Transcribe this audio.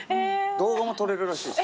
動画も撮れるらしいです。